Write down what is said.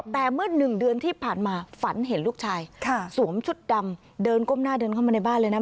แต่เมื่อ๑เดือนที่ผ่านมาฝันเห็นลูกชายสวมชุดดำเดินก้มหน้าเดินเข้ามาในบ้านเลยนะ